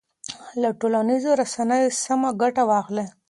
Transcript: له ټولنیزو رسنیو سمه ګټه واخلئ.